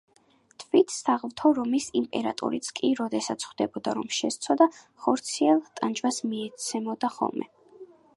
თვით საღვთო რომის იმპერატორიც კი, როდესაც ხვდებოდა, რომ შესცოდა, ხორციელ ტანჯვას მიეცემოდა ხოლმე.